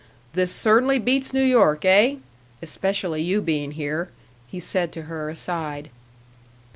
"This cer'nly beats New York, eh? Especially you being here," he said to her, aside.